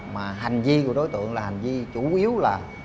mà hành vi của đối tượng là hành vi chủ yếu là